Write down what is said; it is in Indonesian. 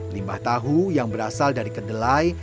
limbah tahu yang berasal dari kedelai